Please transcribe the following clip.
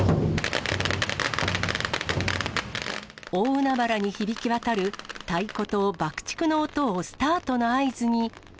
大海原に響き渡る太鼓と爆竹の音をスタートの合図に。